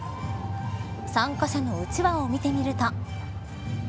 参加者のうちわを見てみると。